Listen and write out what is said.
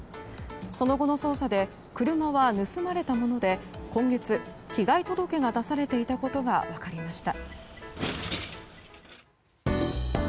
その後の捜査で車は盗まれたもので今月被害届が出されていたことが分かりました。